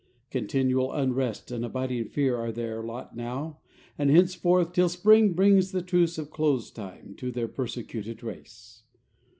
Continual unrest and abiding fear are their lot now and henceforth, till spring brings the truce of close time to their persecuted race.